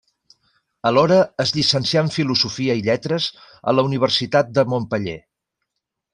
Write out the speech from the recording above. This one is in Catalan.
Alhora es llicencià en Filosofia i Lletres en la Universitat de Montpeller.